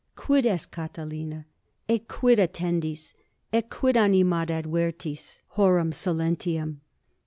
Quid est, Catilina? ecquid attendis, ecquid animadvertis horum silentium?